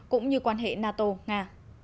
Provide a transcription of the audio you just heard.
cũng như quan hệ nato nga